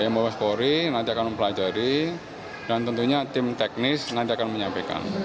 mabes polri nanti akan mempelajari dan tentunya tim teknis nanti akan menyampaikan